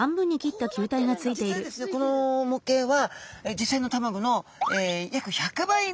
この模型は実際の卵の約１００倍の大きさです。